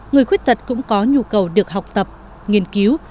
người khuyết tật cũng có nhu cầu được học tập nghiên cứu